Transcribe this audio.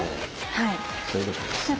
はい。